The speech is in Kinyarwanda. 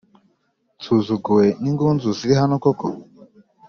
Nsuzuguwe n’ingunzu zirihano koko